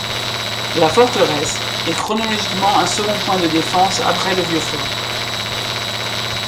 La forteresse est chronologiquement un second point de défense après le Vieux Fort.